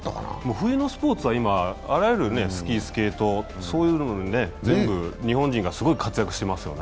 冬のスポーツはあらゆるスキー、スケート、そういうのは全部日本人がすごい活躍してますよね。